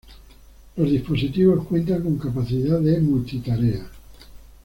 Los dispositivos cuentan con capacidad de multi-tarea.